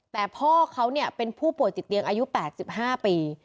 แต่พ่อเขาเป็นผู้ป่วยติดเตียงอายุ๘๕ปี